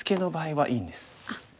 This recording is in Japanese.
はい。